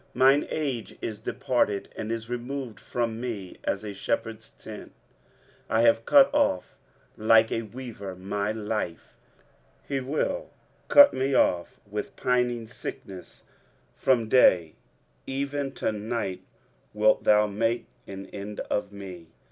23:038:012 Mine age is departed, and is removed from me as a shepherd's tent: I have cut off like a weaver my life: he will cut me off with pining sickness: from day even to night wilt thou make an end of me.